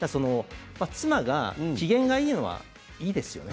妻の機嫌がいいのはいいですよね。